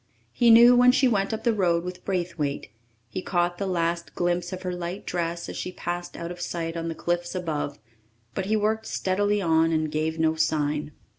He knew when she went up the road with Braithwaite; he caught the last glimpse of her light dress as she passed out of sight on the cliffs above, but he worked steadily on and gave no sign.